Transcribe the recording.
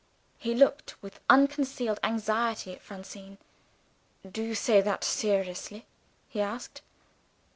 He looked with unconcealed anxiety at Francine. "Do you say that seriously?" he asked.